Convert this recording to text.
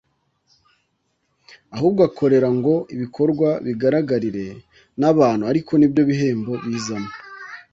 ahubwo akorera ngo ibikorwa bigaragarire n’abantu ariko nibyo bihembo bizamo